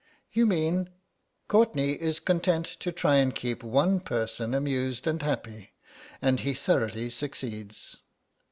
"You mean—?" "Courtenay is content to try and keep one person amused and happy, and he thoroughly succeeds."